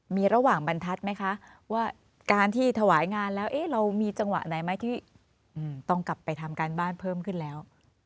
มีระหว่างบรรทัศน์ไหมคะว่าการที่ถวายงานแล้วเรามีจังหวะไหนไหมที่ต้องกลับไปทำการบ้านเพิ่มขึ้นแล้ว